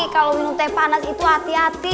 kalau minum teh panas itu hati hati